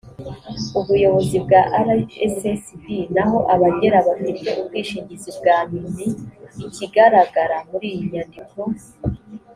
ubuyobozi bwa rssb naho abagera bafite ubwishingizi bwa mmi ikigaragara muri iyi nyandiko